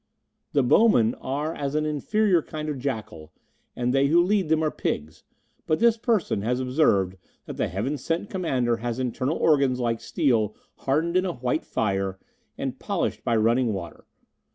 "The bowmen are as an inferior kind of jackal, and they who lead them are pigs, but this person has observed that the Heaven sent Commander has internal organs like steel hardened in a white fire and polished by running water.